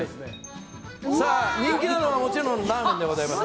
人気なのはもちろんラーメンでございます。